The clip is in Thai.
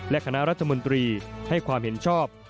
และคณะรัฐมนตรีให้ความเห็นชอบ